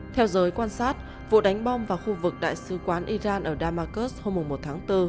theo giới quan sát vụ đánh bom vào khu vực đại sứ quán iran ở damascus hôm một tháng bốn